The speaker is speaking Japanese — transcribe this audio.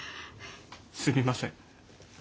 すみません。